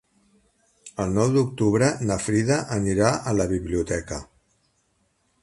El nou d'octubre na Frida anirà a la biblioteca.